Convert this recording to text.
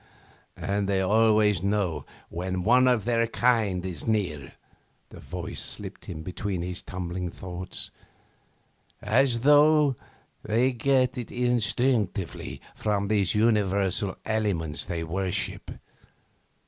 'And they always know when one of their kind is near,' the voice slipped in between his tumbling thoughts, 'as though they get it instinctively from these universal elements they worship.